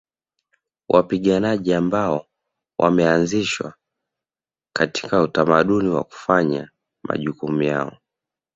Wapiganaji ambao wameanzishwa katika utamaduni wa kufanya majukumu yao